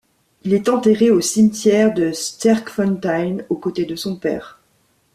Il est enterré au cimetière de Sterkfontein au côté de son père.